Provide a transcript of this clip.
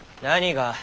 何が？